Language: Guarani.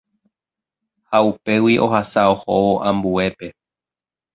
ha upégui ohasa ohóvo ambuépe.